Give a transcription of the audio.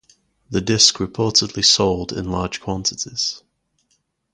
The disc reportedly sold in large quantities.